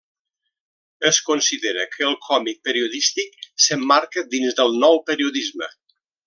Es considera que el còmic periodístic s'emmarca dins del Nou Periodisme.